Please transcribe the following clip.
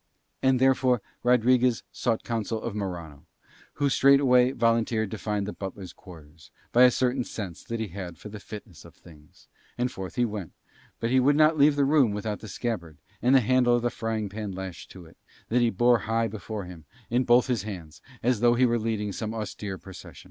And therefore Rodriguez sought counsel of Morano, who straightway volunteered to find the butler's quarters, by a certain sense that he had of the fitness of things: and forth he went, but would not leave the room without the scabbard and the handle of the frying pan lashed to it, which he bore high before him in both his hands as though he were leading some austere procession.